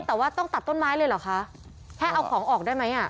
แต่ว่าต้องตัดต้นไม้เลยเหรอคะแค่เอาของออกได้ไหมอ่ะ